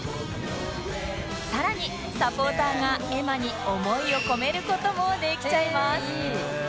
さらにサポーターが絵馬に思いを込める事もできちゃいます